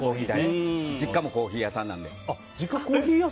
実家もコーヒー屋さんなので。